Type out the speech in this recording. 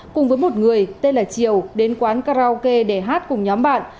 cùng với một người tên là triều đến quán karaoke để hát cùng nhóm bạn